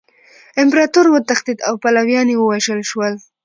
امپراطور وتښتید او پلویان یې ووژل شول.